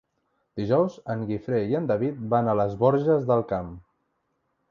Dijous en Guifré i en David van a les Borges del Camp.